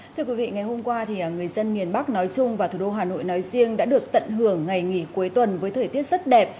thưa quý vị ngày hôm qua người dân miền bắc nói chung và thủ đô hà nội nói riêng đã được tận hưởng ngày nghỉ cuối tuần với thời tiết rất đẹp